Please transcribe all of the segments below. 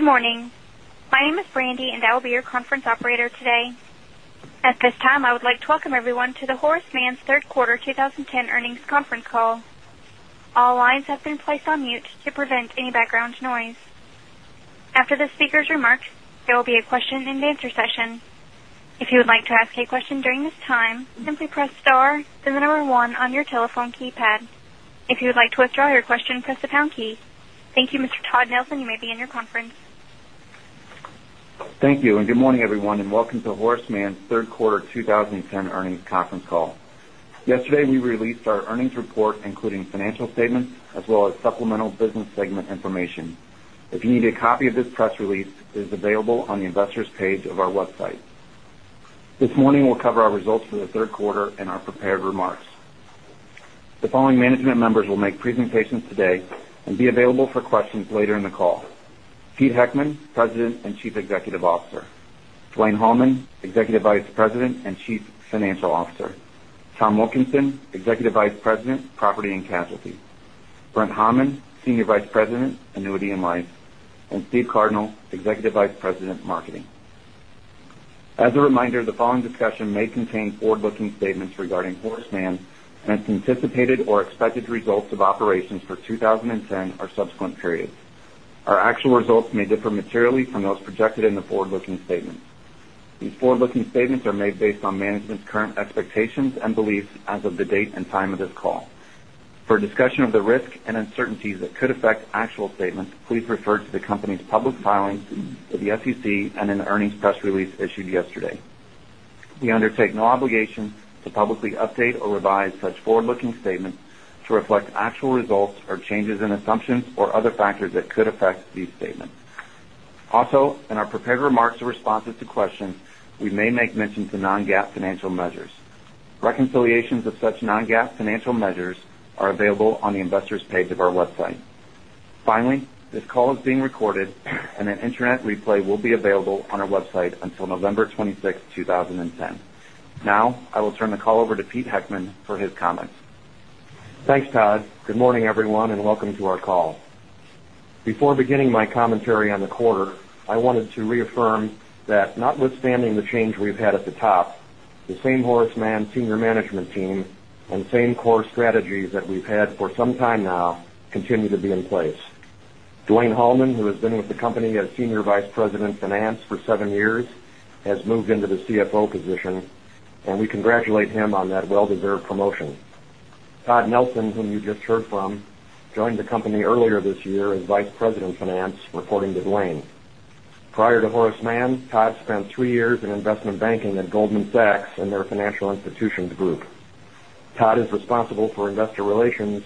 Good morning. My name is Brandy, and I will be your conference operator today. At this time, I would like to welcome everyone to the Horace Mann third quarter 2010 earnings conference call. All lines have been placed on mute to prevent any background noise. After the speaker's remarks, there will be a question and answer session. If you would like to ask a question during this time, simply press star, then the number one on your telephone keypad. If you would like to withdraw your question, press the pound key. Thank you. Mr. Todd Nelson, you may begin your conference. Thank you. Good morning, everyone, and welcome to Horace Mann's third quarter 2010 earnings conference call. Yesterday, we released our earnings report, including financial statements as well as supplemental business segment information. If you need a copy of this press release, it is available on the investors page of our website. This morning, we'll cover our results for the third quarter in our prepared remarks. The following management members will make presentations today and be available for questions later in the call. Peter Heckman, President and Chief Executive Officer, Dwayne Hallman, Executive Vice President and Chief Financial Officer, Thomas Wilkinson, Executive Vice President, Property and Casualty, Brent Hammond, Senior Vice President, Annuity and Life, and Steve Cardinal, Executive Vice President, Marketing. As a reminder, the following discussion may contain forward-looking statements regarding Horace Mann and its anticipated or expected results of operations for 2010 or subsequent periods. Our actual results may differ materially from those projected in the forward-looking statements. These forward-looking statements are made based on management's current expectations and beliefs as of the date and time of this call. For a discussion of the risk and uncertainties that could affect actual statements, please refer to the company's public filings with the SEC and in the earnings press release issued yesterday. We undertake no obligation to publicly update or revise such forward-looking statements to reflect actual results or changes in assumptions or other factors that could affect these statements. Also, in our prepared remarks or responses to questions, we may make mention to non-GAAP financial measures. Reconciliations of such non-GAAP financial measures are available on the investors page of our website. Finally, this call is being recorded, and an internet replay will be available on our website until November 26, 2010. I will turn the call over to Peter Heckman for his comments. Thanks, Todd. Good morning, everyone. Welcome to our call. Before beginning my commentary on the quarter, I wanted to reaffirm that notwithstanding the change we've had at the top, the same Horace Mann senior management team and same core strategies that we've had for some time now continue to be in place. Dwayne Hallman, who has been with the company as Senior Vice President, Finance for seven years, has moved into the CFO position, and we congratulate him on that well-deserved promotion. Todd Nelson, whom you just heard from, joined the company earlier this year as Vice President, Finance, reporting to Dwayne. Prior to Horace Mann, Todd spent three years in investment banking at Goldman Sachs in their financial institutions group. Todd is responsible for investor relations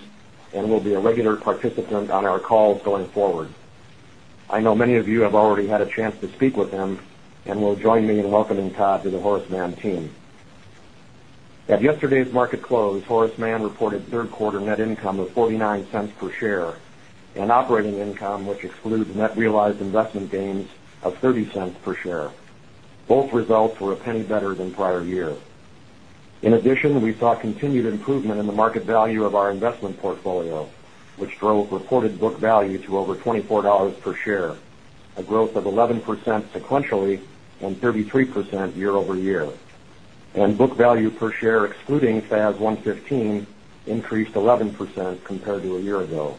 and will be a regular participant on our calls going forward. I know many of you have already had a chance to speak with him and will join me in welcoming Todd to the Horace Mann team. At yesterday's market close, Horace Mann reported third quarter net income of $0.49 per share and operating income, which excludes net realized investment gains of $0.30 per share. Both results were $0.01 better than prior year. In addition, we saw continued improvement in the market value of our investment portfolio, which drove reported book value to over $24 per share, a growth of 11% sequentially and 33% year-over-year. Book value per share, excluding FAS 115, increased 11% compared to a year ago.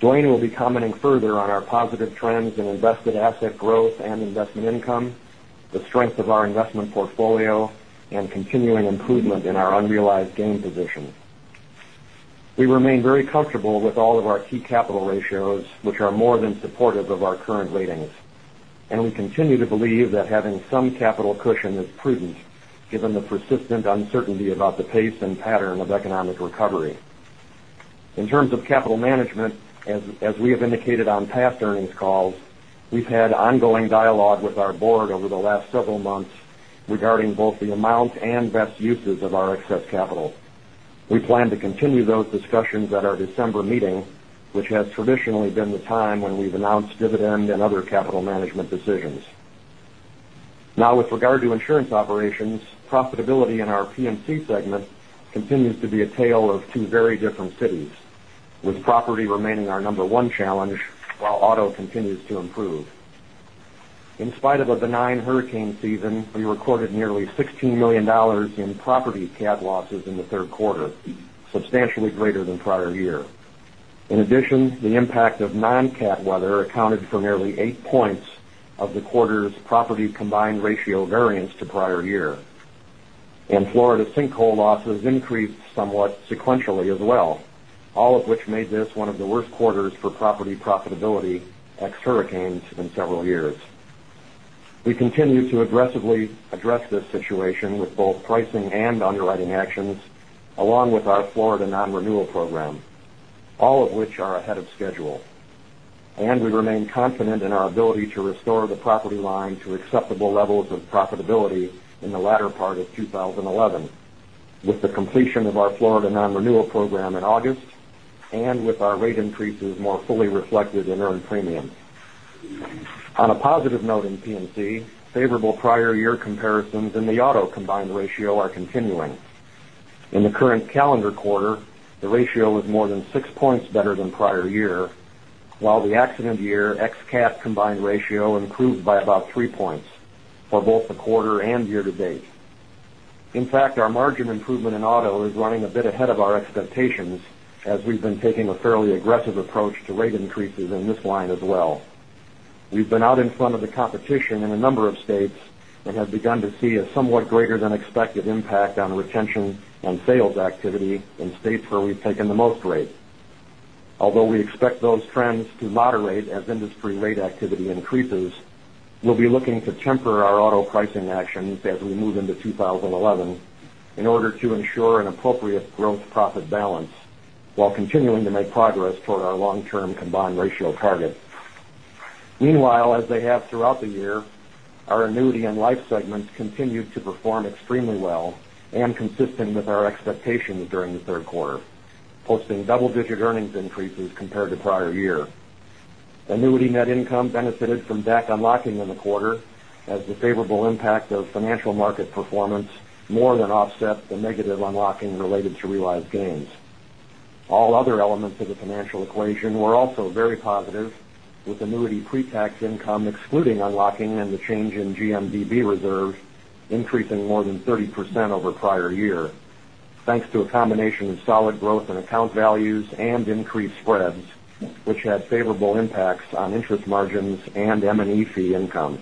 Dwayne will be commenting further on our positive trends in invested asset growth and investment income, the strength of our investment portfolio, and continuing improvement in our unrealized gain position. We remain very comfortable with all of our key capital ratios, which are more than supportive of our current ratings, and we continue to believe that having some capital cushion is prudent given the persistent uncertainty about the pace and pattern of economic recovery. In terms of capital management, as we have indicated on past earnings calls, we've had ongoing dialogue with our board over the last several months regarding both the amount and best uses of our excess capital. We plan to continue those discussions at our December meeting, which has traditionally been the time when we've announced dividend and other capital management decisions. Now with regard to insurance operations, profitability in our P&C segment continues to be a tale of two very different cities, with property remaining our number one challenge while auto continues to improve. In spite of a benign hurricane season, we recorded nearly $16 million in property CAT losses in the third quarter, substantially greater than prior year. In addition, the impact of non-CAT weather accounted for nearly eight points of the quarter's property combined ratio variance to prior year. Florida sinkhole losses increased somewhat sequentially as well, all of which made this one of the worst quarters for property profitability ex hurricanes in several years. We continue to aggressively address this situation with both pricing and underwriting actions, along with our Florida non-renewal program, all of which are ahead of schedule. We remain confident in our ability to restore the property line to acceptable levels of profitability in the latter part of 2011 with the completion of our Florida non-renewal program in August and with our rate increases more fully reflected in earned premiums. On a positive note in P&C, favorable prior year comparisons in the auto combined ratio are continuing. In the current calendar quarter, the ratio was more than six points better than prior year, while the accident year ex CAT combined ratio improved by about three points for both the quarter and year-to-date. In fact, our margin improvement in auto is running a bit ahead of our expectations as we've been taking a fairly aggressive approach to rate increases in this line as well. We've been out in front of the competition in a number of states and have begun to see a somewhat greater than expected impact on retention and sales activity in states where we've taken the most rate. Although we expect those trends to moderate as industry rate activity increases, we'll be looking to temper our auto pricing actions as we move into 2011 in order to ensure an appropriate growth profit balance while continuing to make progress toward our long-term combined ratio target. Meanwhile, as they have throughout the year, our annuity and life segments continued to perform extremely well and consistent with our expectations during the third quarter, posting double-digit earnings increases compared to prior year. Annuity net income benefited from DAC unlocking in the quarter as the favorable impact of financial market performance more than offset the negative unlocking related to realized gains. All other elements of the financial equation were also very positive, with annuity pre-tax income excluding unlocking and the change in GMDB reserves increasing more than 30% over prior year, thanks to a combination of solid growth in account values and increased spreads, which had favorable impacts on interest margins and M&E fee income.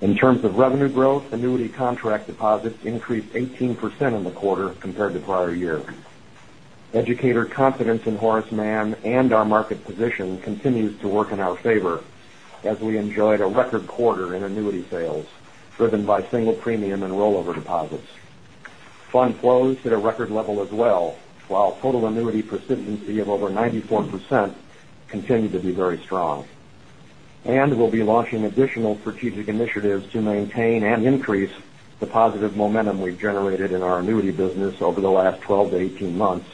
In terms of revenue growth, annuity contract deposits increased 18% in the quarter compared to prior year. Educator confidence in Horace Mann and our market position continues to work in our favor as we enjoyed a record quarter in annuity sales driven by single premium and rollover deposits. Fund flows hit a record level as well, while total annuity persistency of over 94% continued to be very strong. We'll be launching additional strategic initiatives to maintain and increase the positive momentum we've generated in our annuity business over the last 12 to 18 months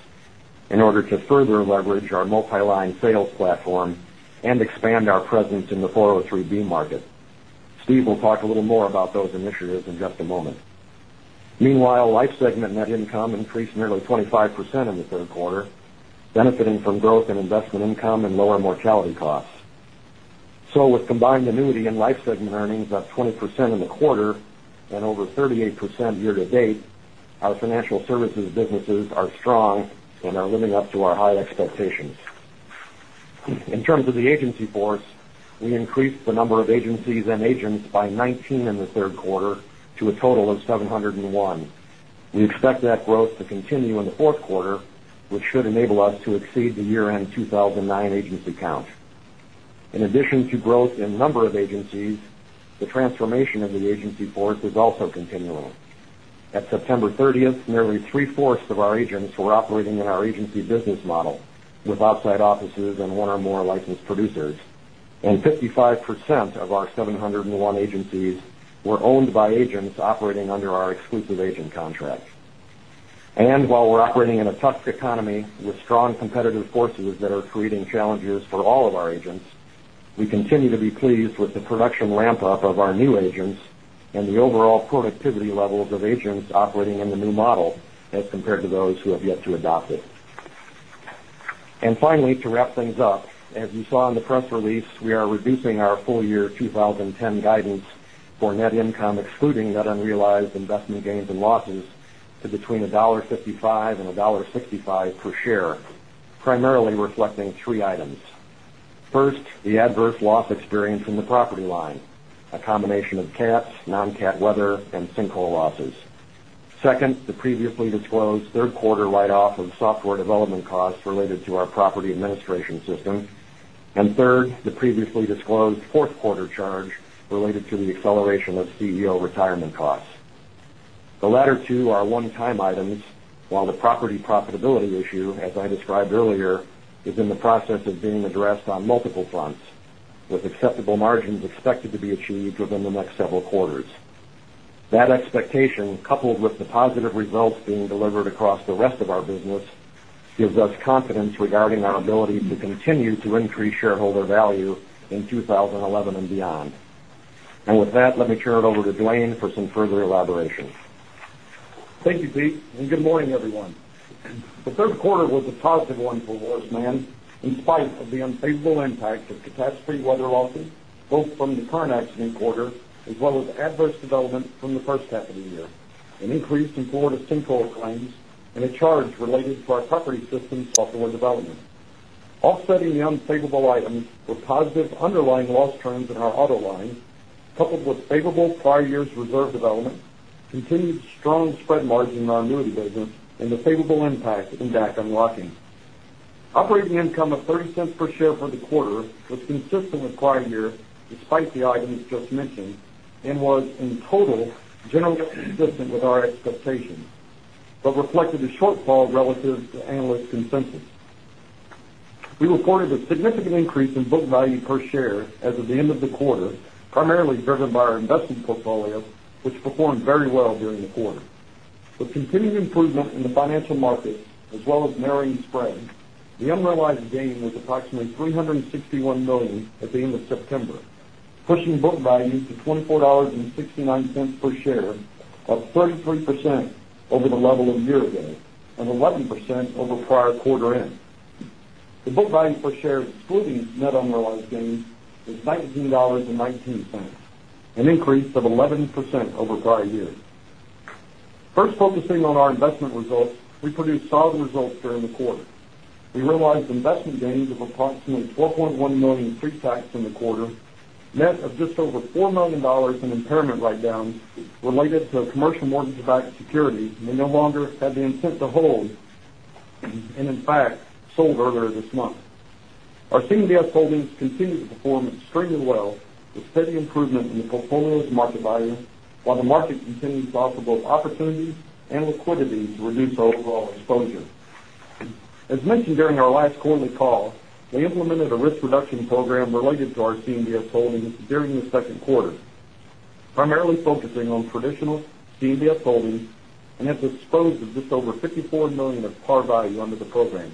in order to further leverage our multi-line sales platform and expand our presence in the 403 market. Steve will talk a little more about those initiatives in just a moment. Meanwhile, life segment net income increased nearly 25% in the third quarter, benefiting from growth in investment income and lower mortality costs. With combined annuity and life segment earnings up 20% in the quarter and over 38% year-to-date, our financial services businesses are strong and are living up to our high expectations. In terms of the agency force, we increased the number of agencies and agents by 19 in the third quarter to a total of 701. We expect that growth to continue in the fourth quarter, which should enable us to exceed the year-end 2009 agency count. In addition to growth in number of agencies, the transformation of the agency force is also continuing. At September 30th, nearly three-fourths of our agents were operating in our agency business model with outside offices and one or more licensed producers, and 55% of our 701 agencies were owned by agents operating under our exclusive agent contract. While we're operating in a tough economy with strong competitive forces that are creating challenges for all of our agents, we continue to be pleased with the production ramp-up of our new agents and the overall productivity levels of agents operating in the new model as compared to those who have yet to adopt it. Finally, to wrap things up, as you saw in the press release, we are reducing our full year 2010 guidance for net income, excluding net unrealized investment gains and losses to between $1.55 and $1.65 per share, primarily reflecting three items. First, the adverse loss experience in the property line, a combination of CATs, non-CAT weather, and sinkhole losses. Second, the previously disclosed third quarter write-off of software development costs related to our property administration system. Third, the previously disclosed fourth quarter charge related to the acceleration of CEO retirement costs. The latter two are one-time items, while the property profitability issue, as I described earlier, is in the process of being addressed on multiple fronts with acceptable margins expected to be achieved within the next several quarters. That expectation, coupled with the positive results being delivered across the rest of our business, gives us confidence regarding our ability to continue to increase shareholder value in 2011 and beyond. With that, let me turn it over to Dwayne for some further elaboration. Thank you, Pete, and good morning, everyone. The third quarter was a positive one for Horace Mann in spite of the unfavorable impact of catastrophe weather losses, both from the current accident quarter as well as adverse development from the first half of the year, an increase in Florida sinkhole claims and a charge related to our property systems software development. Offsetting the unfavorable items were positive underlying loss trends in our auto lines, coupled with favorable prior years reserve development, continued strong spread margin in our annuity business, and the favorable impact from DAC unlocking. Operating income of $0.30 per share for the quarter was consistent with prior year despite the items just mentioned and was, in total, generally consistent with our expectations, but reflected a shortfall relative to analyst consensus. We reported a significant increase in book value per share as of the end of the quarter, primarily driven by our investment portfolio, which performed very well during the quarter. With continued improvement in the financial markets as well as narrowing spreads, the unrealized gain was approximately $361 million at the end of September. Pushing book value to $24.69 per share, up 33% over the level of a year ago and 11% over prior quarter end. The book value per share excluding net unrealized gains is $19.19, an increase of 11% over prior year. First, focusing on our investment results, we produced solid results during the quarter. We realized investment gains of approximately $12.1 million pre-tax in the quarter, net of just over $4 million in impairment write-down related to commercial mortgage-backed securities we no longer had the intent to hold, and in fact, sold earlier this month. Our CMBS holdings continue to perform extremely well with steady improvement in the portfolio's market value, while the market continues to offer both opportunities and liquidity to reduce our overall exposure. As mentioned during our last quarterly call, we implemented a risk reduction program related to our CMBS holdings during the second quarter, primarily focusing on traditional CMBS holdings, and have disposed of just over $54 million of par value under the program.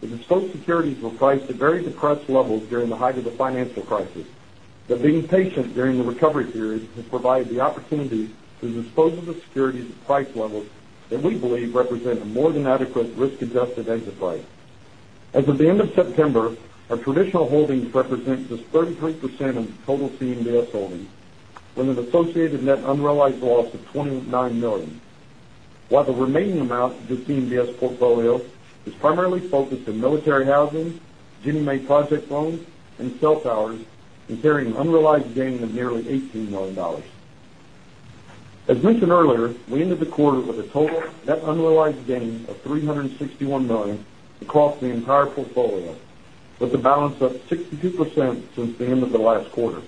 The disposed securities were priced at very depressed levels during the height of the financial crisis, but being patient during the recovery period has provided the opportunity to dispose of the securities at price levels that we believe represent a more than adequate risk-adjusted exit price. As of the end of September, our traditional holdings represent just 33% of the total CMBS holdings, with an associated net unrealized loss of $29 million. While the remaining amount of the CMBS portfolio is primarily focused in military housing, Ginnie Mae project loans, and cell towers and carrying an unrealized gain of nearly $18 million. As mentioned earlier, we ended the quarter with a total net unrealized gain of $361 million across the entire portfolio, with a balance up 62% since the end of the last quarter.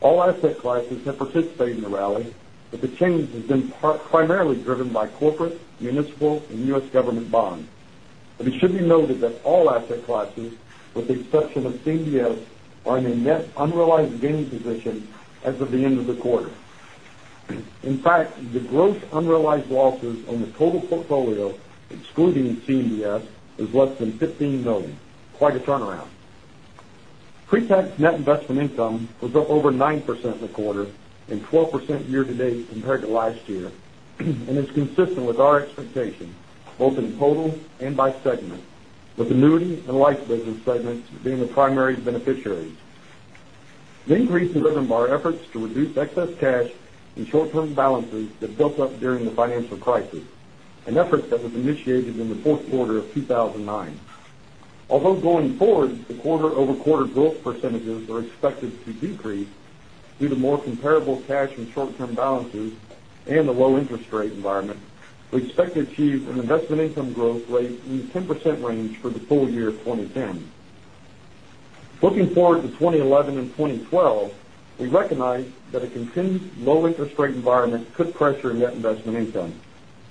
All asset classes have participated in the rally, but the change has been primarily driven by corporate, municipal, and U.S. government bonds. It should be noted that all asset classes, with the exception of CMBS, are in a net unrealized gain position as of the end of the quarter. In fact, the gross unrealized losses on the total portfolio, excluding CMBS, is less than $15 million. Quite a turnaround. Pre-tax net investment income was up over 9% in the quarter and 12% year-to-date compared to last year, and is consistent with our expectations both in total and by segment, with annuity and life business segments being the primary beneficiaries. The increase is a result of our efforts to reduce excess cash and short-term balances that built up during the financial crisis, an effort that was initiated in the fourth quarter of 2009. Although going forward, the quarter-over-quarter growth percentages are expected to decrease due to more comparable cash and short-term balances and the low interest rate environment, we expect to achieve an investment income growth rate in the 10% range for the full year 2010. Looking forward to 2011 and 2012, we recognize that a continued low interest rate environment could pressure net investment income.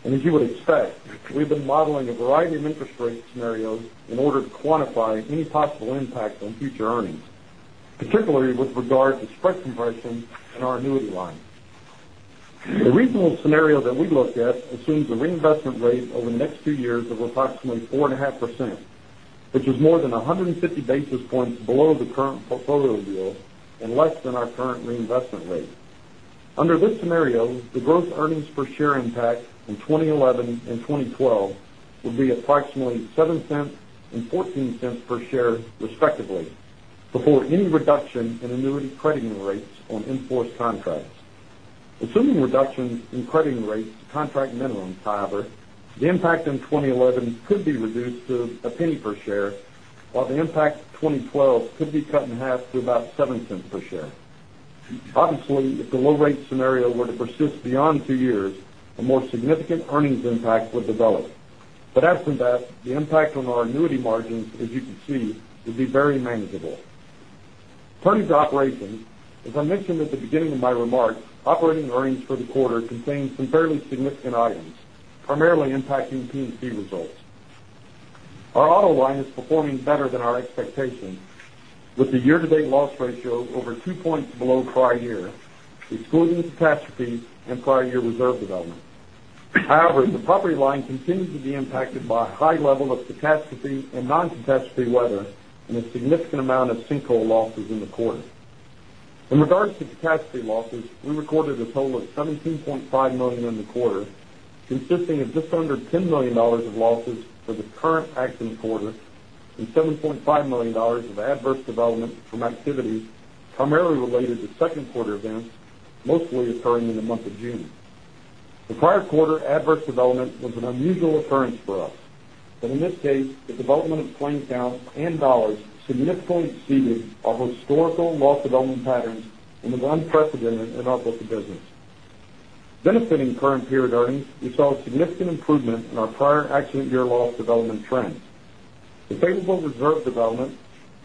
As you would expect, we've been modeling a variety of interest rate scenarios in order to quantify any possible impact on future earnings, particularly with regard to spread compression in our annuity line. The reasonable scenario that we look at assumes a reinvestment rate over the next two years of approximately 4.5%, which is more than 150 basis points below the current portfolio yield and less than our current reinvestment rate. Under this scenario, the gross earnings per share impact in 2011 and 2012 would be approximately $0.07 and $0.14 per share respectively before any reduction in annuity crediting rates on in-force contracts. Assuming reductions in crediting rates to contract minimums, however, the impact in 2011 could be reduced to $0.01 per share, while the impact in 2012 could be cut in half to about $0.07 per share. Obviously, if the low rate scenario were to persist beyond two years, a more significant earnings impact would develop. Absent that, the impact on our annuity margins, as you can see, would be very manageable. Turning to operations, as I mentioned at the beginning of my remarks, operating earnings for the quarter contained some fairly significant items, primarily impacting P&C results. Our auto line is performing better than our expectations with the year-to-date loss ratio over two points below prior year, excluding the catastrophe and prior year reserve development. However, the property line continues to be impacted by a high level of catastrophe and non-catastrophe weather and a significant amount of sinkhole losses in the quarter. In regards to catastrophe losses, we recorded a total of $17.5 million in the quarter, consisting of just under $10 million of losses for the current accident quarter and $7.5 million of adverse development from activities primarily related to second quarter events, mostly occurring in the month of June. The prior quarter adverse development was an unusual occurrence for us, but in this case, the development of claims counts and dollars significantly exceeded our historical loss development patterns and was unprecedented in our book of business. Benefiting current period earnings, we saw a significant improvement in our prior accident year loss development trends. Favorable reserve development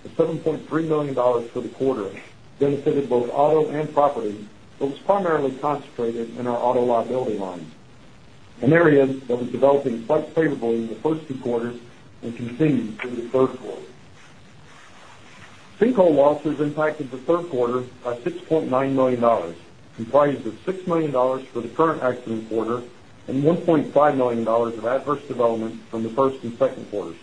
of $7.3 million for the quarter benefited both auto and property, but was primarily concentrated in our auto liability line, an area that was developing quite favorably in the first two quarters and continued through the third quarter. Sinkhole losses impacted the third quarter by $6.9 million, comprised of $6 million for the current accident quarter and $1.5 million of adverse development from the first and second quarters.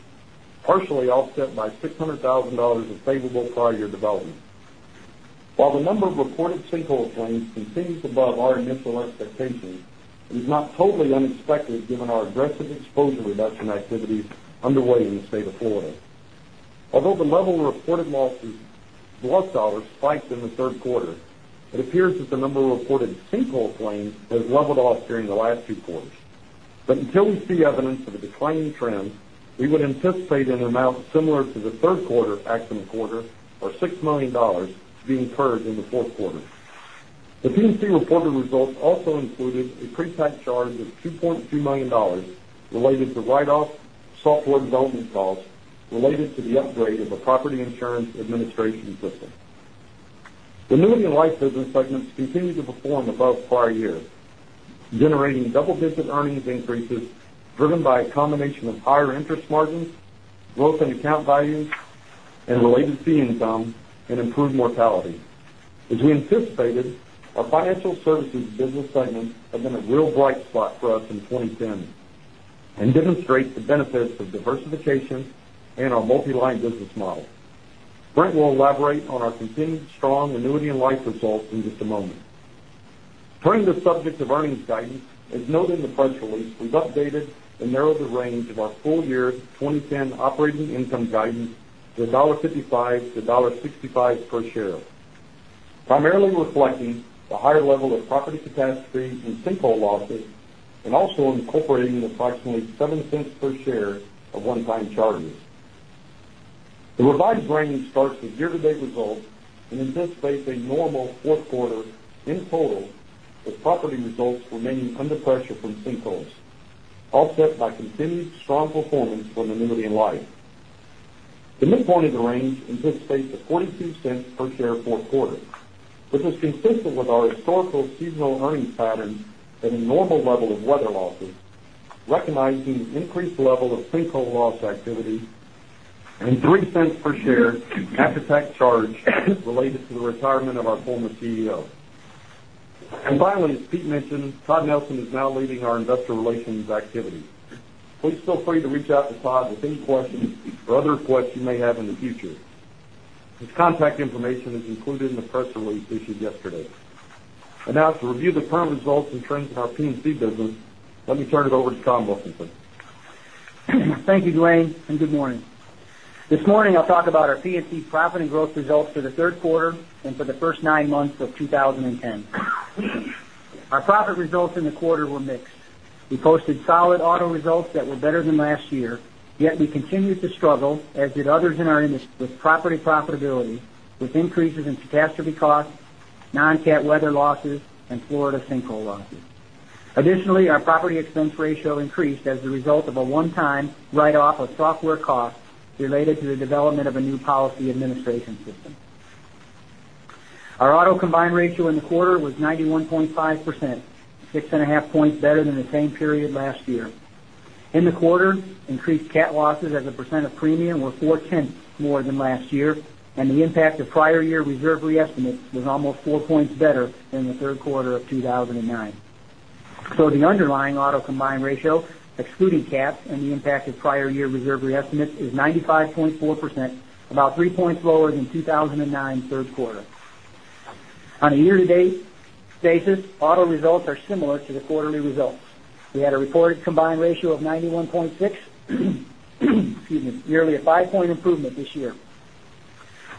Partially offset by $600,000 of favorable prior year development. While the number of reported sinkhole claims continues above our initial expectations, it is not totally unexpected given our aggressive exposure reduction activities underway in the state of Florida. Although the level of reported losses, lost dollars spiked in the third quarter, it appears that the number of reported sinkhole claims has leveled off during the last two quarters. Until we see evidence of a declining trend, we would anticipate an amount similar to the third quarter accident quarter or $6 million to be incurred in the fourth quarter. The P&C reported results also included a pre-tax charge of $2.2 million related to write-off software development costs related to the upgrade of a property insurance administration system. The Annuity and Life business segments continue to perform above prior years, generating double-digit earnings increases driven by a combination of higher interest margins, growth in account values and related fee income, and improved mortality. As we anticipated, our Financial Services business segment has been a real bright spot for us in 2010 and demonstrates the benefits of diversification and our multi-line business model. Brent will elaborate on our continued strong Annuity & Life results in just a moment. Turning to the subject of earnings guidance, as noted in the press release, we've updated and narrowed the range of our full year 2010 operating income guidance to $1.55-$1.65 per share, primarily reflecting the higher level of property catastrophes and sinkhole losses, and also incorporating approximately $0.07 per share of one-time charges. The revised range starts with year-to-date results and anticipates a normal fourth quarter in total, with property results remaining under pressure from sinkholes, offset by continued strong performance from Annuity & Life. The midpoint of the range anticipates a $0.42 per share fourth quarter, which is consistent with our historical seasonal earnings patterns at a normal level of weather losses, recognizing the increased level of sinkhole loss activity and $0.03 per share after-tax charge related to the retirement of our former CEO. Finally, as Pete mentioned, Todd Nelson is now leading our investor relations activities. Please feel free to reach out to Todd with any questions or other requests you may have in the future. His contact information is included in the press release issued yesterday. Now to review the current results and trends in our P&C business, let me turn it over to Thomas Wilkinson. Thank you, Dwayne, and good morning. This morning I'll talk about our P&C profit and growth results for the third quarter and for the first nine months of 2010. Our profit results in the quarter were mixed. We posted solid auto results that were better than last year, yet we continued to struggle, as did others in our industry, with property profitability, with increases in catastrophe costs, non-CAT weather losses, and Florida sinkhole losses. Additionally, our property expense ratio increased as the result of a one-time write-off of software costs related to the development of a new policy administration system. Our auto combined ratio in the quarter was 91.5%, six and a half points better than the same period last year. In the quarter, increased CAT losses as a percent of premium were $0.04 more than last year, and the impact of prior year reserve re-estimates was almost four points better than the third quarter of 2009. The underlying auto combined ratio, excluding CAT and the impact of prior year reserve re-estimates, is 95.4%, about three points lower than 2009 third quarter. On a year-to-date basis, auto results are similar to the quarterly results. We had a reported combined ratio of 91.6%. Nearly a five-point improvement this year.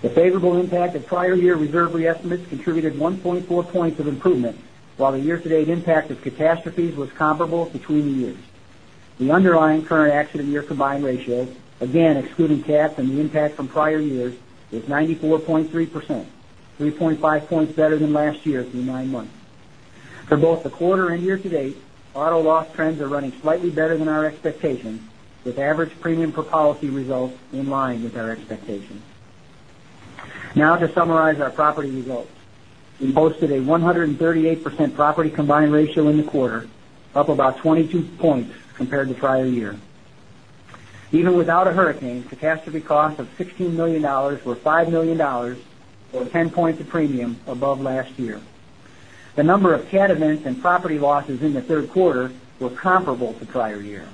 The favorable impact of prior year reserve re-estimates contributed 1.4 points of improvement, while the year-to-date impact of catastrophes was comparable between the years. The underlying current accident year combined ratio, again, excluding CAT and the impact from prior years, is 94.3%, 3.5 points better than last year through nine months. For both the quarter and year-to-date, auto loss trends are running slightly better than our expectations, with average premium per policy results in line with our expectations. To summarize our property results. We posted a 138% property combined ratio in the quarter, up about 22 points compared to prior year. Even without a hurricane, catastrophe costs of $16 million were $5 million, or 10 points of premium above last year. The number of CAT events and property losses in the third quarter were comparable to prior year.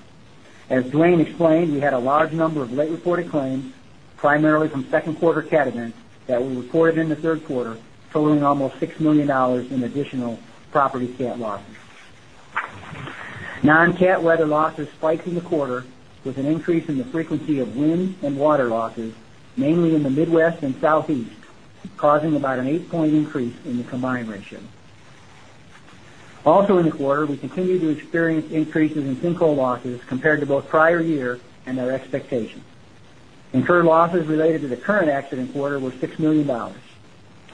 As Dwayne explained, we had a large number of late reported claims, primarily from second quarter CAT events, that we reported in the third quarter, totaling almost $6 million in additional property CAT losses. Non-CAT weather losses spiked in the quarter with an increase in the frequency of wind and water losses, mainly in the Midwest and Southeast, causing about an eight-point increase in the combined ratio. In the quarter, we continued to experience increases in sinkhole losses compared to both prior year and our expectations. Incurred losses related to the current accident quarter were $6 million.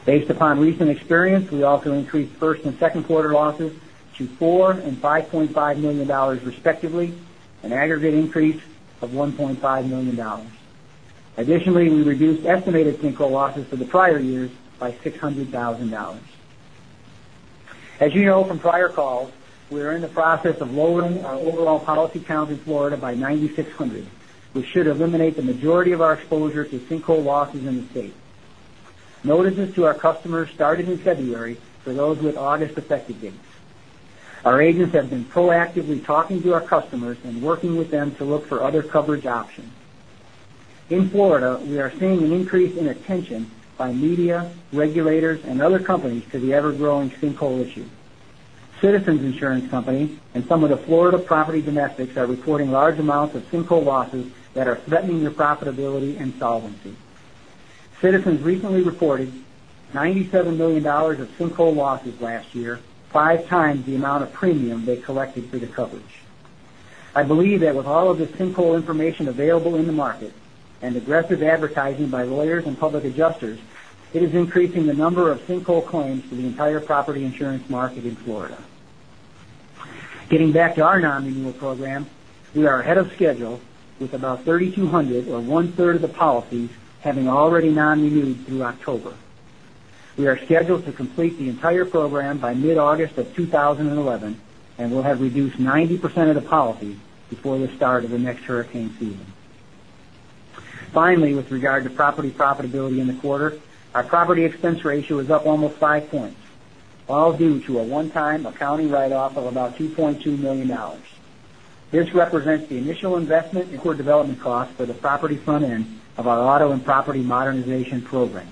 Based upon recent experience, we also increased first and second quarter losses to $4 million and $5.5 million respectively, an aggregate increase of $1.5 million. Additionally, we reduced estimated sinkhole losses for the prior years by $600,000. As you know from prior calls, we are in the process of lowering our overall policy count in Florida by 9,600. We should eliminate the majority of our exposure to sinkhole losses in the state. Notices to our customers started in February for those with August effective dates. Our agents have been proactively talking to our customers and working with them to look for other coverage options. In Florida, we are seeing an increase in attention by media, regulators, and other companies to the ever-growing sinkhole issue. Citizens insurance companies and some of the Florida property domestics are reporting large amounts of sinkhole losses that are threatening their profitability and solvency. Citizens recently reported $97 million of sinkhole losses last year, five times the amount of premium they collected for the coverage. I believe that with all of the sinkhole information available in the market and aggressive advertising by lawyers and public adjusters, it is increasing the number of sinkhole claims for the entire property insurance market in Florida. Getting back to our non-renewal program, we are ahead of schedule with about 3,200, or one-third of the policies, having already non-renewed through October. We are scheduled to complete the entire program by mid-August of 2011, and we'll have reduced 90% of the policies before the start of the next hurricane season. Finally, with regard to property profitability in the quarter, our property expense ratio is up almost five points, all due to a one-time accounting write-off of about $2.2 million. This represents the initial investment in core development cost for the property front end of our auto and property modernization program,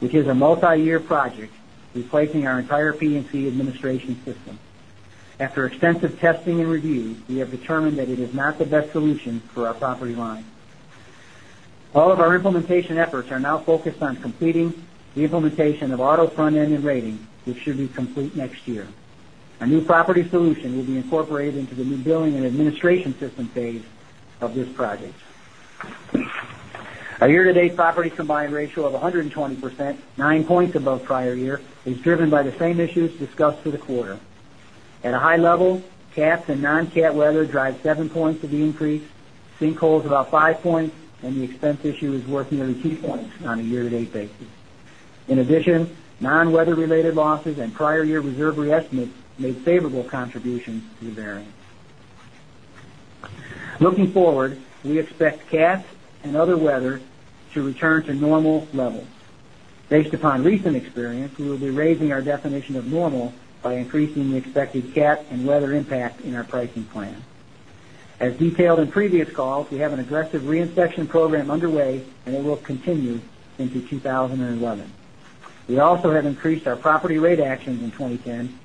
which is a multi-year project replacing our entire P&C administration system. After extensive testing and review, we have determined that it is not the best solution for our property line. All of our implementation efforts are now focused on completing the implementation of auto front end and rating, which should be complete next year. A new property solution will be incorporated into the new billing and administration system phase of this project. Our year-to-date property combined ratio of 120%, nine points above prior year, is driven by the same issues discussed for the quarter. At a high level, CATs and non-CAT weather drive seven points of the increase, sinkholes about five points, and the expense issue is worth nearly two points on a year-to-date basis. In addition, non-weather-related losses and prior year reserve re-estimates made favorable contributions to the variance. Looking forward, we expect CATs and other weather to return to normal levels. Based upon recent experience, we will be raising our definition of normal by increasing the expected CAT and weather impact in our pricing plan. As detailed in previous calls, we have an aggressive re-inspection program underway, and it will continue into 2011. We also have increased our property rate actions in 2010.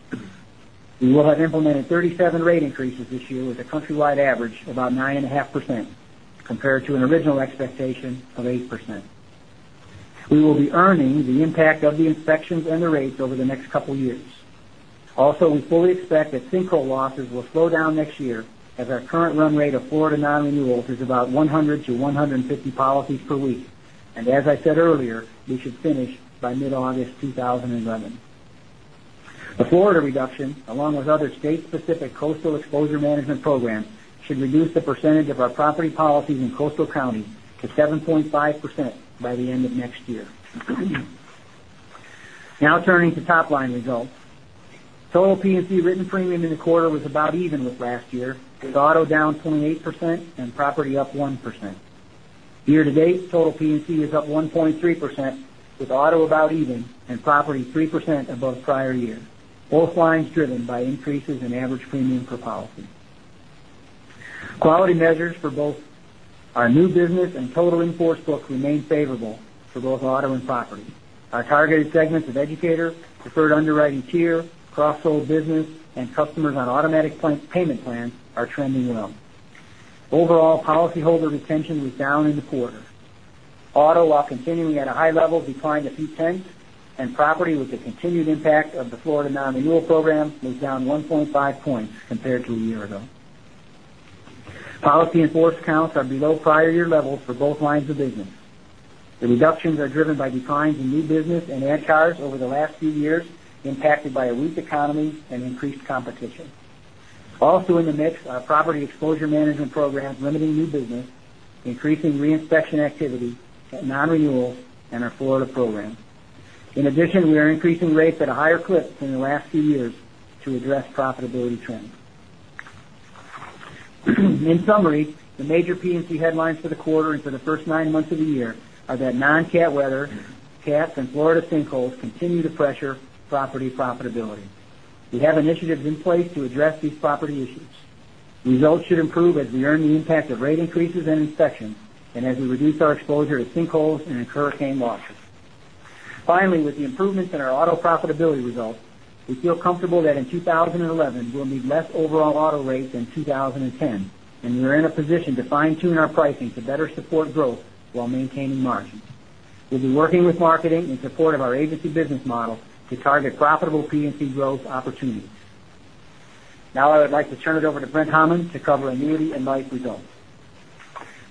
We will have implemented 37 rate increases this year with a countrywide average of about 9.5%, compared to an original expectation of 8%. We will be earning the impact of the inspections and the rates over the next couple of years. Also, we fully expect that sinkhole losses will slow down next year as our current run rate of Florida non-renewals is about 100 to 150 policies per week. As I said earlier, we should finish by mid-August 2011. A Florida reduction, along with other state-specific coastal exposure management programs, should reduce the percentage of our property policies in coastal counties to 7.5% by the end of next year. Now turning to top-line results. Total P&C written premium in the quarter was about even with last year, with auto down 28% and property up 1%. Year-to-date, total P&C is up 1.3%, with auto about even and property 3% above prior year, both lines driven by increases in average premium per policy. Quality measures for both our new business and total in-force books remain favorable for both auto and property. Our targeted segments of educator, preferred underwriting tier, cross-sold business, and customers on automatic payment plans are trending well. Overall, policyholder retention was down in the quarter. Auto, while continuing at a high level, declined a few tenths, and property with the continued impact of the Florida non-renewal program was down 1.5 points compared to a year ago. Policy in-force counts are below prior year levels for both lines of business. The reductions are driven by declines in new business and add cars over the last few years, impacted by a weak economy and increased competition. Also in the mix are property exposure management programs limiting new business, increasing re-inspection activity and non-renewal in our Florida program. We are increasing rates at a higher clip than the last few years to address profitability trends. The major P&C headlines for the quarter and for the first nine months of the year are that non-CAT weather, CATs, and Florida sinkholes continue to pressure property profitability. We have initiatives in place to address these property issues. Results should improve as we earn the impact of rate increases and inspections and as we reduce our exposure to sinkholes and hurricane losses. With the improvements in our auto profitability results, we feel comfortable that in 2011, we'll need less overall auto rates than 2010, and we're in a position to fine-tune our pricing to better support growth while maintaining margins. We'll be working with marketing in support of our agency business model to target profitable P&C growth opportunities. I would like to turn it over to Brent Hammond to cover Annuity and Life results.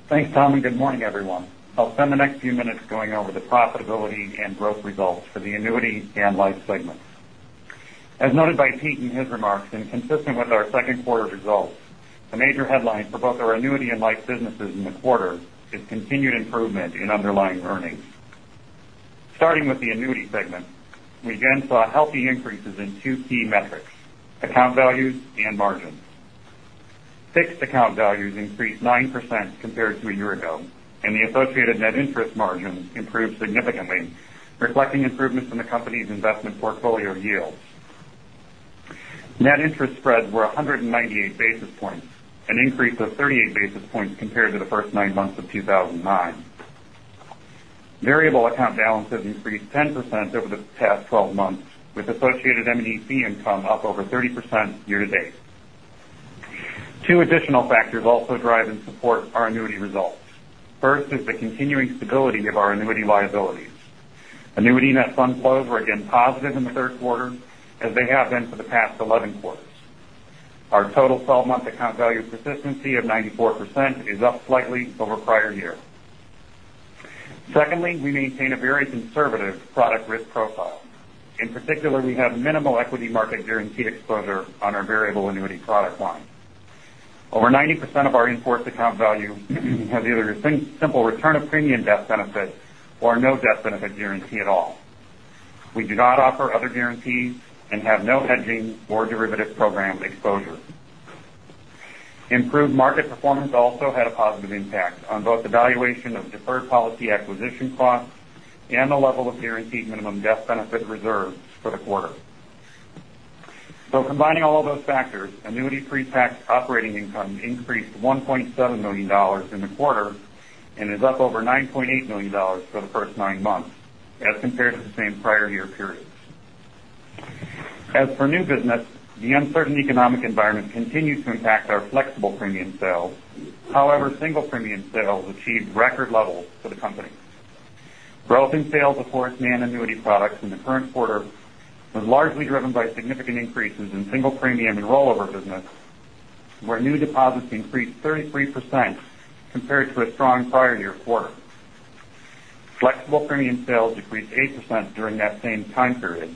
Thanks, Tom, and good morning, everyone. I'll spend the next few minutes going over the profitability and growth results for the Annuity and Life segments. The major headlines for both our Annuity and Life businesses in the quarter is continued improvement in underlying earnings. We again saw healthy increases in two key metrics, account values and margins. Fixed account values increased 9% compared to a year ago, and the associated net interest margins improved significantly, reflecting improvements in the company's investment portfolio yields. Net interest spreads were 198 basis points, an increase of 38 basis points compared to the first nine months of 2009. Variable account balances increased 10% over the past 12 months, with associated M&E fee income up over 30% year to date. Two additional factors also drive and support our annuity results. The continuing stability of our annuity liabilities. Annuity net fund flows were again positive in the third quarter, as they have been for the past 11 quarters. Our total 12-month account value persistency of 94% is up slightly over prior year. We maintain a very conservative product risk profile. We have minimal equity market guarantee exposure on our variable annuity product line. Over 90% of our in-force account value have either a simple return of premium death benefit or no death benefit guarantee at all. We do not offer other guarantees and have no hedging or derivative program exposure. Improved market performance also had a positive impact on both the valuation of deferred policy acquisition costs and the level of guaranteed minimum death benefit reserves for the quarter. Combining all of those factors, annuity pretax operating income increased to $1.7 million in the quarter and is up over $9.8 million for the first nine months as compared to the same prior year period. As for new business, the uncertain economic environment continues to impact our flexible premium sales. However, single premium sales achieved record levels for the company. Growth in sales of Horace Mann annuity products in the current quarter was largely driven by significant increases in single premium and rollover business, where new deposits increased 33% compared to a strong prior year quarter. Flexible premium sales decreased 8% during that same time period.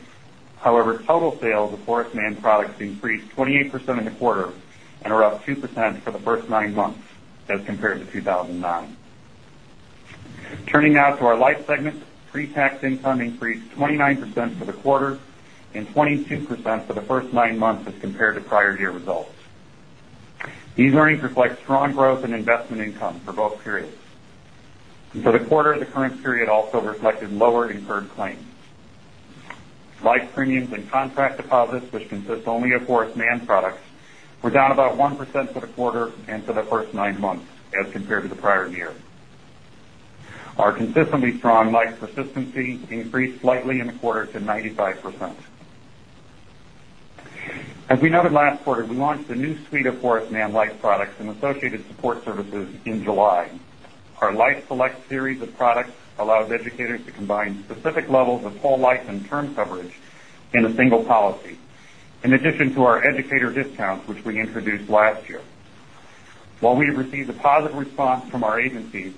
However, total sales of Horace Mann products increased 28% in the quarter and are up 2% for the first nine months as compared to 2009. Turning now to our life segment, pretax income increased 29% for the quarter and 22% for the first nine months as compared to prior year results. These earnings reflect strong growth in investment income for both periods. For the quarter, the current period also reflected lower incurred claims. Life premiums and contract deposits, which consist only of Horace Mann products, were down about 1% for the quarter and for the first nine months as compared to the prior year. Our consistently strong life persistency increased slightly in the quarter to 95%. As we noted last quarter, we launched a new suite of Horace Mann Life products and associated support services in July. Our Life Select series of products allows educators to combine specific levels of whole life and term coverage in a single policy, in addition to our educator discounts, which we introduced last year. While we have received a positive response from our agencies,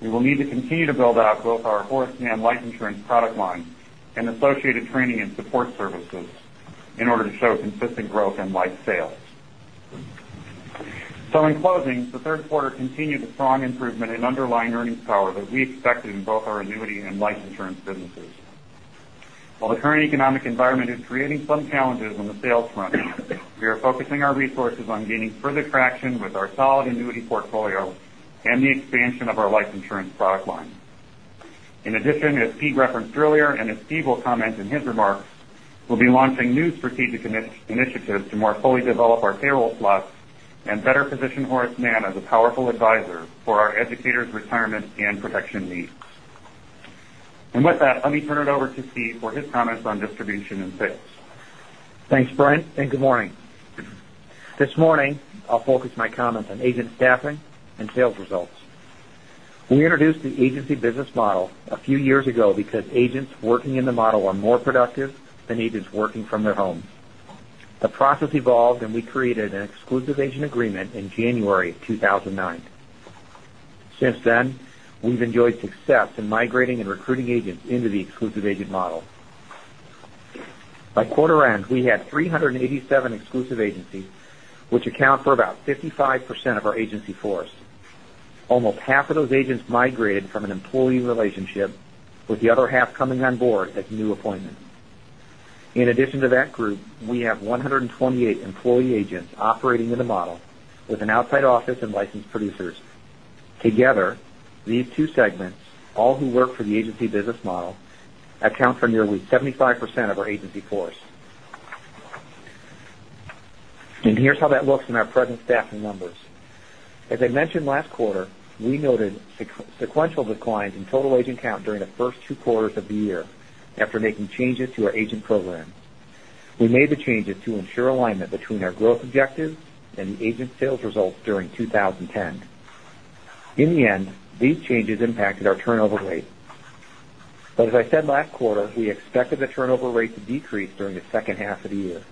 we will need to continue to build out both our Horace Mann life insurance product line and associated training and support services in order to show consistent growth in life sales. In closing, the third quarter continued the strong improvement in underlying earnings power that we expected in both our annuity and life insurance businesses. While the current economic environment is creating some challenges on the sales front, we are focusing our resources on gaining further traction with our solid annuity portfolio and the expansion of our life insurance product line. In addition, as Steve referenced earlier and as Steve will comment in his remarks, we'll be launching new strategic initiatives to more fully develop our payroll plus and better position Horace Mann as a powerful advisor for our educators' retirement and protection needs. With that, let me turn it over to Steve for his comments on distribution and sales. Thanks, Brent, and good morning. This morning, I'll focus my comments on agent staffing and sales results. We introduced the agency business model a few years ago because agents working in the model are more productive than agents working from their homes. The process evolved. We created an exclusive agent agreement in January 2009. Since then, we've enjoyed success in migrating and recruiting agents into the exclusive agent model. By quarter end, we had 387 exclusive agencies, which account for about 55% of our agency force. Almost half of those agents migrated from an employee relationship, with the other half coming on board as new appointments. In addition to that group, we have 128 employee agents operating in the model with an outside office and licensed producers. Together, these two segments, all who work for the agency business model, account for nearly 75% of our agency force. Here's how that looks in our present staffing numbers. As I mentioned last quarter, we noted sequential declines in total agent count during the first two quarters of the year after making changes to our agent program. We made the changes to ensure alignment between our growth objectives and the agent sales results during 2010. In the end, these changes impacted our turnover rate. As I said last quarter, we expected the turnover rate to decrease during the second half of the year.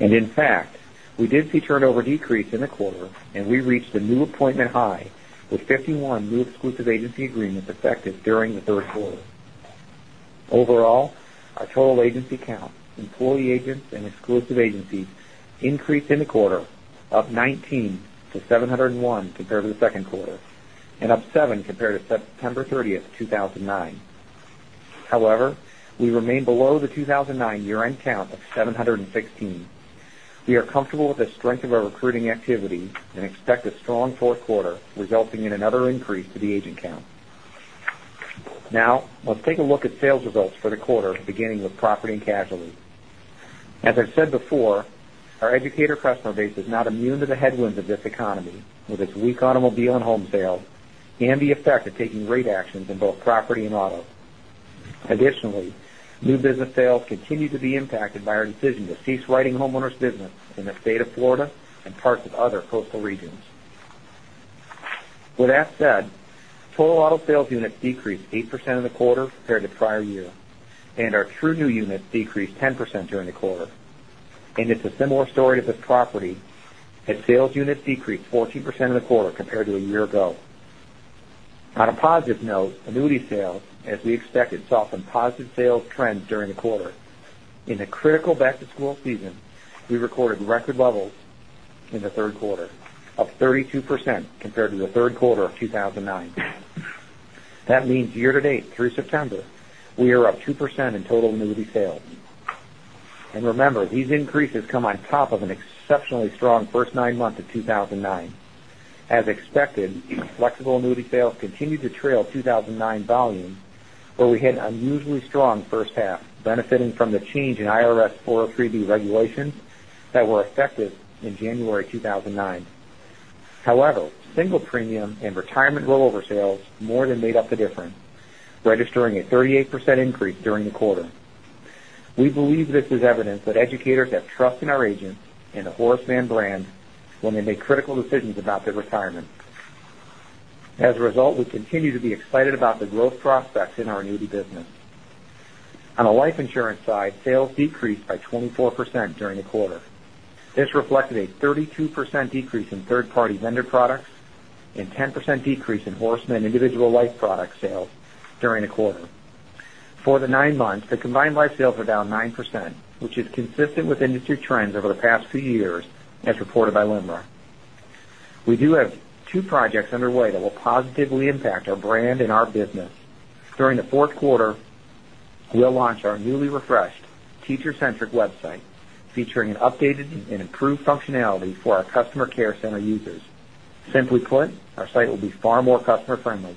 In fact, we did see turnover decrease in the quarter, and we reached a new appointment high with 51 new exclusive agency agreements effective during the third quarter. Overall, our total agency count, employee agents, and exclusive agencies increased in the quarter, up 19 to 701 compared to the second quarter and up seven compared to September 30th, 2009. However, we remain below the 2009 year-end count of 716. We are comfortable with the strength of our recruiting activity and expect a strong fourth quarter resulting in another increase to the agent count. Now, let's take a look at sales results for the quarter, beginning with property and casualty. As I've said before, our educator customer base is not immune to the headwinds of this economy, with its weak automobile and home sales and the effect of taking rate actions in both property and auto. Additionally, new business sales continue to be impacted by our decision to cease writing homeowners business in the state of Florida and parts of other coastal regions. With that said, total auto sales units decreased 8% in the quarter compared to prior year. Our true new units decreased 10% during the quarter. It's a similar story with property, as sales units decreased 14% in the quarter compared to a year ago. On a positive note, annuity sales, as we expected, saw some positive sales trends during the quarter. In the critical back-to-school season, we recorded record levels in the third quarter of 32% compared to the third quarter of 2009. That means year-to-date through September, we are up 2% in total annuity sales. Remember, these increases come on top of an exceptionally strong first nine months of 2009. As expected, flexible annuity sales continued to trail 2009 volume, where we had an unusually strong first half, benefiting from the change in IRS 403 regulations that were effective in January 2009. Single premium and retirement rollover sales more than made up the difference, registering a 38% increase during the quarter. We believe this is evidence that educators have trust in our agents and the Horace Mann brand when they make critical decisions about their retirement. As a result, we continue to be excited about the growth prospects in our annuity business. On the life insurance side, sales decreased by 24% during the quarter. This reflected a 32% decrease in third-party vendor products and 10% decrease in Horace Mann individual life product sales during the quarter. For the nine months, the combined life sales are down 9%, which is consistent with industry trends over the past few years, as reported by LIMRA. We do have two projects underway that will positively impact our brand and our business. During the fourth quarter, we'll launch our newly refreshed teacher-centric website, featuring an updated and improved functionality for our customer care center users. Simply put, our site will be far more customer friendly,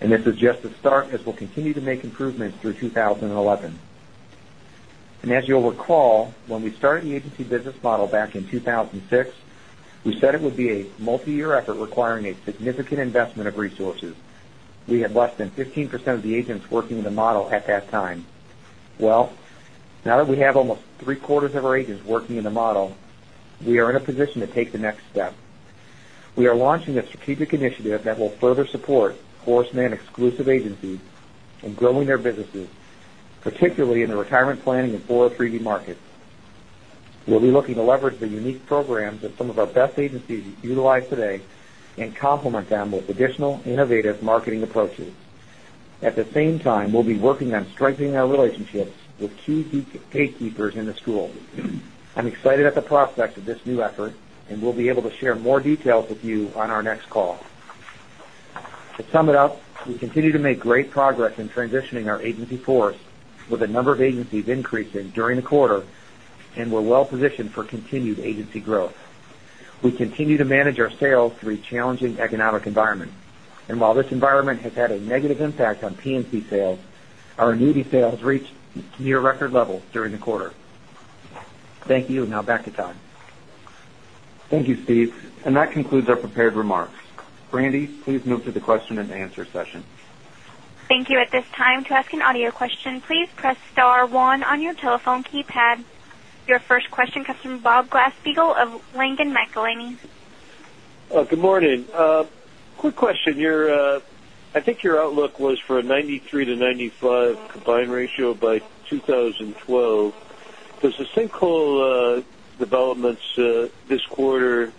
and this is just the start as we'll continue to make improvements through 2011. As you'll recall, when we started the agency business model back in 2006, we said it would be a multi-year effort requiring a significant investment of resources. We had less than 15% of the agents working in the model at that time. Well, now that we have almost three-quarters of our agents working in the model, we are in a position to take the next step. We are launching a strategic initiative that will further support Horace Mann exclusive agencies in growing their businesses, particularly in the retirement planning and 403 markets. We'll be looking to leverage the unique programs that some of our best agencies utilize today and complement them with additional innovative marketing approaches. At the same time, we'll be working on strengthening our relationships with key gatekeepers in the school. I'm excited at the prospect of this new effort, and we'll be able to share more details with you on our next call. To sum it up, we continue to make great progress in transitioning our agency force with the number of agencies increasing during the quarter, and we're well positioned for continued agency growth. We continue to manage our sales through a challenging economic environment. While this environment has had a negative impact on P&C sales, our annuity sales reached near record levels during the quarter. Thank you. Now back to Todd. Thank you, Steve. That concludes our prepared remarks. Brandy, please move to the question and answer session. Thank you. At this time, to ask an audio question, please press star 1 on your telephone keypad. Your first question comes from Bob Glasspiegel of Langen McAlenney. Good morning. Quick question. I think your outlook was for a 93%-95% combined ratio by 2012. Does the sinkhole developments this quarter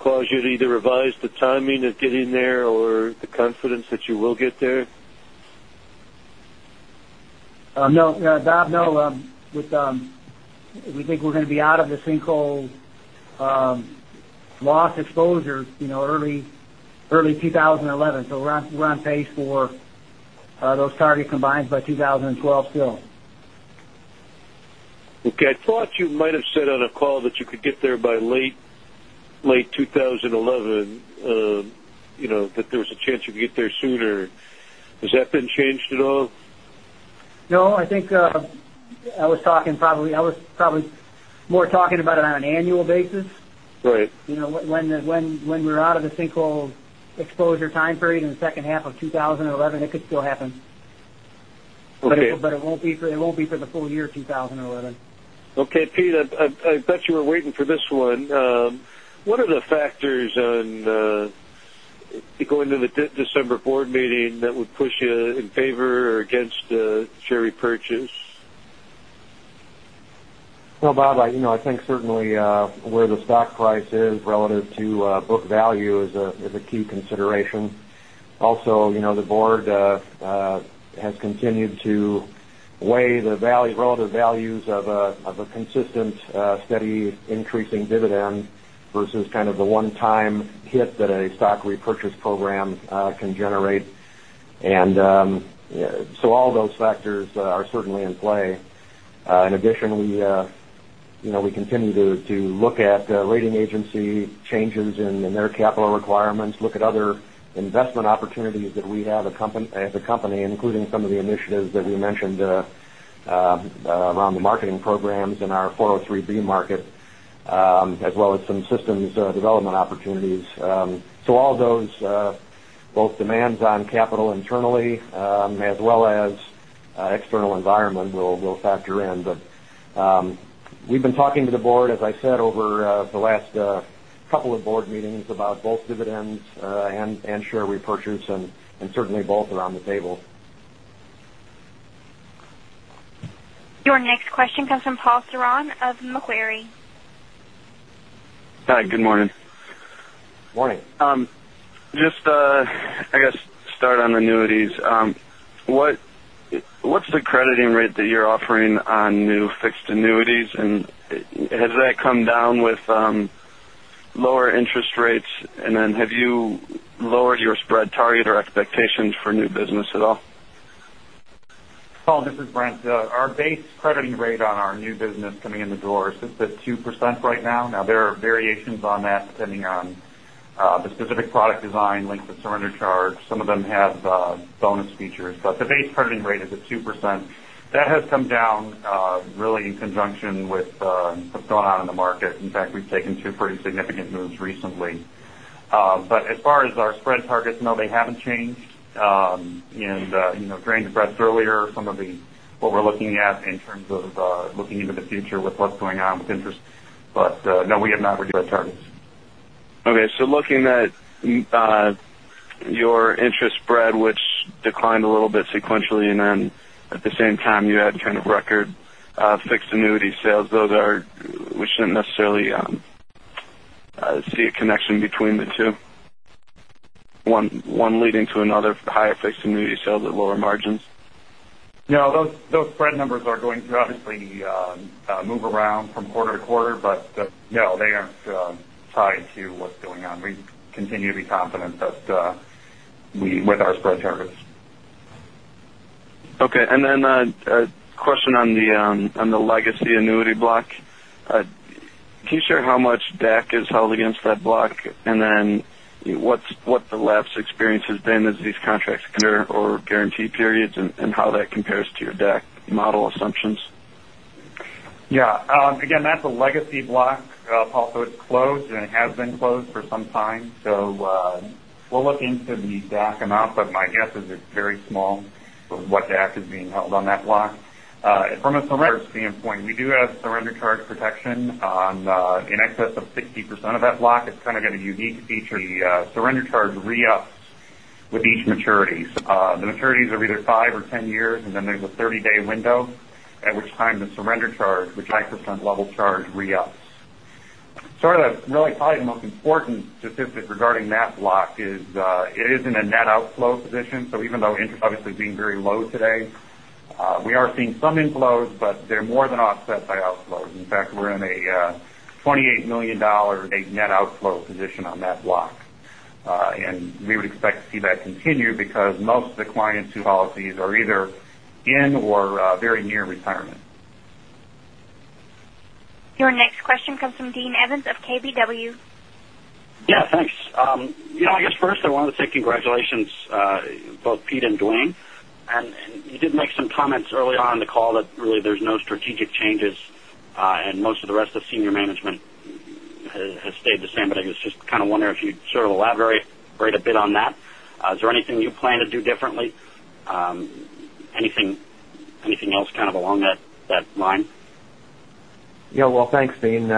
cause you to either revise the timing of getting there or the confidence that you will get there? No. We think we're going to be out of the sinkhole loss exposure early 2011. We're on pace for those target combines by 2012 still. Okay. I thought you might have said on a call that you could get there by late 2011, that there was a chance you could get there sooner. Has that been changed at all? I think I was probably more talking about it on an annual basis. Right. We're out of the sinkhole exposure time frame in the second half of 2011, it could still happen. Okay. It won't be for the full year 2011. Pete, I bet you were waiting for this one. What are the factors going to the December board meeting that would push you in favor or against a share repurchase? Well, Bob, I think certainly where the stock price is relative to book value is a key consideration. Also, the board has continued to Weigh the relative values of a consistent, steady increasing dividend versus the one-time hit that a stock repurchase program can generate. All those factors are certainly in play. In addition, we continue to look at rating agency changes in their capital requirements, look at other investment opportunities that we have as a company, including some of the initiatives that we mentioned around the marketing programs in our 403 market, as well as some systems development opportunities. All those, both demands on capital internally, as well as external environment, will factor in. We've been talking to the board, as I said, over the last couple of board meetings about both dividends and share repurchase and certainly both around the table. Your next question comes from Jean-Paul Ceron of Macquarie. Hi, good morning. Morning. I guess, start on annuities. What's the crediting rate that you're offering on new fixed annuities, has that come down with lower interest rates? Have you lowered your spread target or expectations for new business at all? Paul, this is Brent. Our base crediting rate on our new business coming in the door is just at 2% right now. There are variations on that depending on the specific product design, length of surrender charge. Some of them have bonus features. The base crediting rate is at 2%. That has come down really in conjunction with what's going on in the market. In fact, we've taken two pretty significant moves recently. As far as our spread targets, no, they haven't changed. Dwayne expressed earlier some of what we're looking at in terms of looking into the future with what's going on with interest. No, we have not reduced our targets. Looking at your interest spread, which declined a little bit sequentially, at the same time, you had kind of record fixed annuity sales. We shouldn't necessarily see a connection between the two, one leading to another, higher fixed annuity sales at lower margins? Those spread numbers are going to obviously move around from quarter to quarter, no, they aren't tied to what's going on. We continue to be confident with our spread targets. Okay, a question on the legacy annuity block. Can you share how much DAC is held against that block? What the lapse experience has been as these contracts clear or guarantee periods and how that compares to your DAC model assumptions? Yeah. Again, that's a legacy block, Paul, so it's closed and it has been closed for some time. We'll look into the DAC amount, but my guess is it's very small with what DAC is being held on that block. From a surrender standpoint, we do have surrender charge protection in excess of 60% of that block. It's kind of got a unique feature. The surrender charge re-ups with each maturity. The maturities are either five or 10 years, and then there's a 30-day window, at which time the surrender charge, which high % level charge re-ups. Sorry, really probably the most important statistic regarding that block is it is in a net outflow position. Even though interest obviously being very low today, we are seeing some inflows, but they're more than offset by outflows. In fact, we're in a $28 million net outflow position on that block. We would expect to see that continue because most of the clients whose policies are either in or very near retirement. Your next question comes from Dean Evans of KBW. Thanks. I guess first I wanted to say congratulations, both Peter and Dwayne. You did make some comments early on in the call that really there's no strategic changes, and most of the rest of senior management has stayed the same. I was just kind of wondering if you'd sort of elaborate a bit on that. Is there anything you plan to do differently? Anything else kind of along that line? Well, thanks, Dean.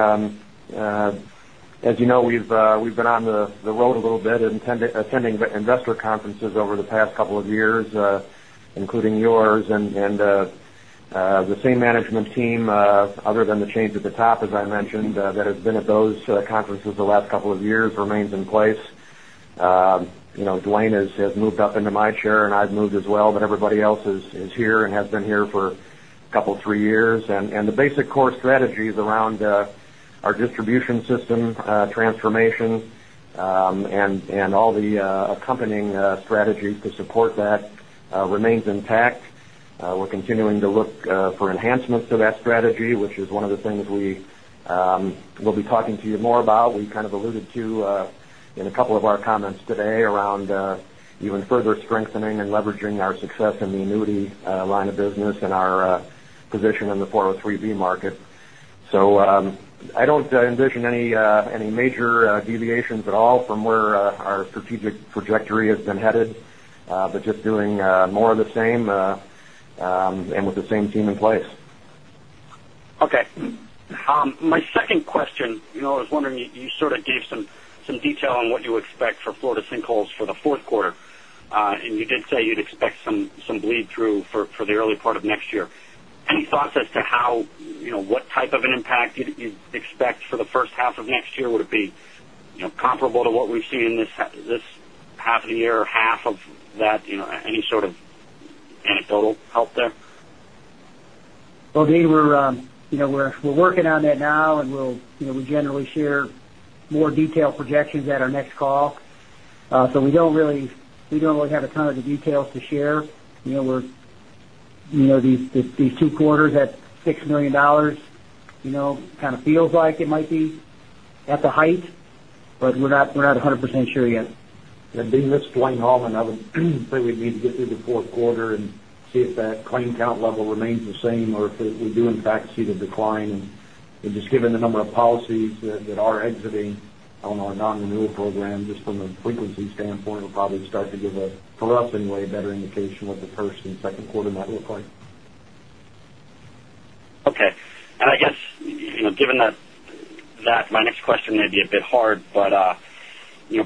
As you know, we've been on the road a little bit, attending investor conferences over the past couple of years, including yours and the same management team, other than the change at the top, as I mentioned, that has been at those conferences the last couple of years remains in place. Dwayne has moved up into my chair, and I've moved as well, but everybody else is here and has been here for couple, three years. The basic core strategies around our distribution system transformation, and all the accompanying strategies to support that remains intact. We're continuing to look for enhancements to that strategy, which is one of the things we'll be talking to you more about. We kind of alluded to in a couple of our comments today around even further strengthening and leveraging our success in the annuity line of business and our position in the 403 market. I don't envision any major deviations at all from where our strategic trajectory has been headed. Just doing more of the same, and with the same team in place. Okay. My second question, I was wondering, you sort of gave some detail on what you expect for Florida sinkholes for the fourth quarter. You did say you'd expect some bleed through for the early part of next year. Any thoughts as to what type of an impact you'd expect for the first half of next year? Would it be comparable to what we've seen this half a year or half of that, any sort of anecdotal help there? Well, Dean, we're working on that now. We generally share more detailed projections at our next call. We don't really have a ton of the details to share. These two quarters at $6 million kind of feels like it might be at the height, but we're not 100% sure yet. Dean, this is Dwayne Hallman. I would say we'd need to get through the fourth quarter and see if that claim count level remains the same, or if we do, in fact, see the decline. Just given the number of policies that are exiting on our non-renewal program, just from a frequency standpoint, will probably start to give us, for us anyway, a better indication what the first and second quarter might look like. Okay. I guess, given that, my next question may be a bit hard.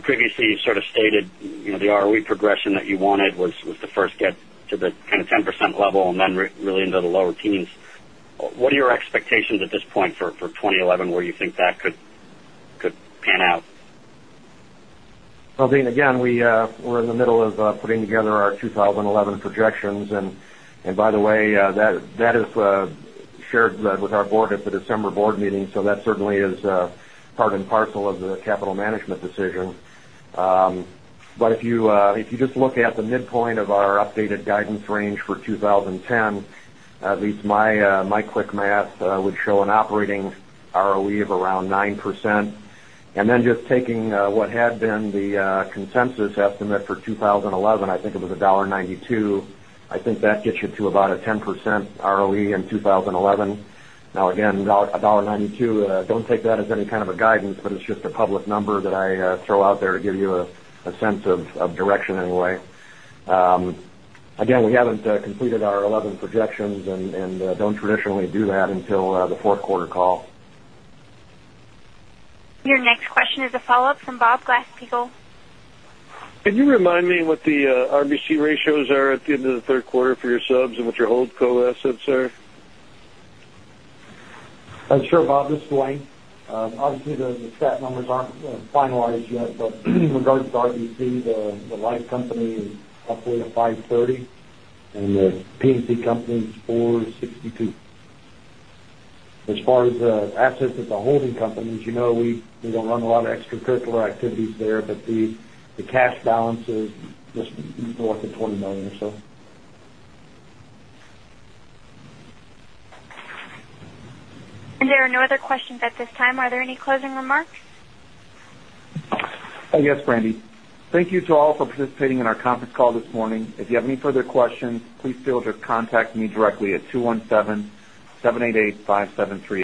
Previously, you sort of stated the ROE progression that you wanted was to first get to the 10% level and then really into the lower teens. What are your expectations at this point for 2011, where you think that could pan out? Well, Dean, again, we're in the middle of putting together our 2011 projections. By the way, that is shared with our board at the December board meeting, that certainly is part and parcel of the capital management decision. If you just look at the midpoint of our updated guidance range for 2010, at least my quick math would show an operating ROE of around 9%. Then just taking what had been the consensus estimate for 2011, I think it was $1.92. I think that gets you to about a 10% ROE in 2011. Now, again, $1.92, don't take that as any kind of a guidance, but it's just a public number that I throw out there to give you a sense of direction, anyway. Again, we haven't completed our 2011 projections and don't traditionally do that until the fourth quarter call. Your next question is a follow-up from Bob Glasspiegel. Can you remind me what the RBC ratios are at the end of the third quarter for your subs and what your hold co assets are? Sure, Bob, this is Dwayne. Obviously, the stat numbers aren't finalized yet, but in regards to RBC, the life company is up to 530, and the P&C company is 462. As far as the assets of the holding companies, as you know, we don't run a lot of extracurricular activities there, but the cash balance is just north of $20 million or so. There are no other questions at this time. Are there any closing remarks? Yes, Brandy. Thank you to all for participating in our conference call this morning. If you have any further questions, please feel free to contact me directly at